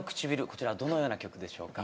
こちらどのような曲でしょうか？